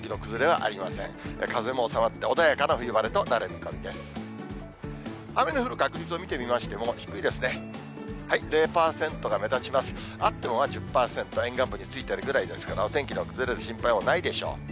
あっても１０％、沿岸部についてるぐらいですから、お天気の崩れる心配もないでしょう。